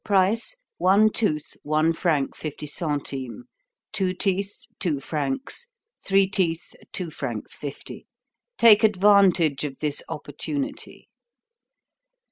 Price: one tooth, one franc, fifty centimes; two teeth, two francs; three teeth, two francs, fifty. Take advantage of this opportunity."